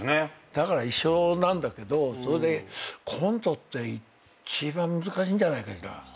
だから一緒なんだけどコントって一番難しいんじゃないかしら。